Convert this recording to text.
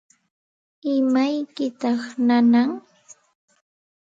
¿Imaykitaq nanan?